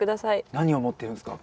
何を持ってるんすか？